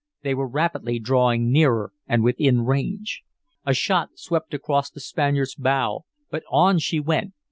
They were rapidly drawing nearer and within range. A shot swept across the Spaniard's bows, but on she went.